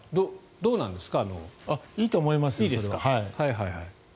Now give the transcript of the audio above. どうなんですか？